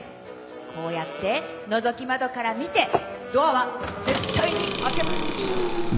こうやってのぞき窓から見てドアは絶対に開けま」